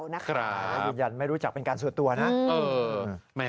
และยืนยันไม่รู้จักเป็นการเสือตัวนะ